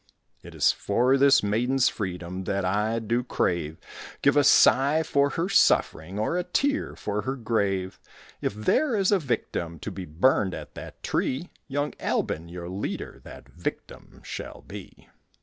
"It is for this maiden's freedom That I do crave; Give a sigh for her suffering Or a tear for her grave. If there is a victim To be burned at that tree, Young Albon, your leader, That victim shall be."